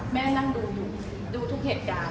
แม่นั่งดูอยู่ดูทุกเหตุการณ์